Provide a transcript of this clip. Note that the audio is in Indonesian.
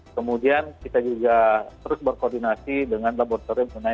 kemudian kita juga terus berkoordinasi dengan laboratorium